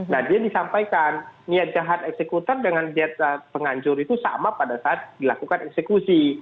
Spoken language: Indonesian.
nah dia disampaikan niat jahat eksekutor dengan penganjur itu sama pada saat dilakukan eksekusi